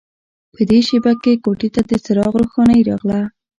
په دې شېبه کې کوټې ته د څراغ روښنايي راغله